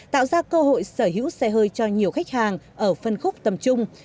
tạo ra cơ hội sở hữu xe hơi cho nhiều khách hàng ở phân khúc tầm trung